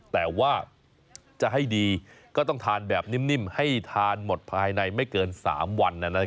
แต่ว่าจะให้ดีก็ต้องทานแบบนิ่มให้ทานหมดภายในไม่เกิน๓วัน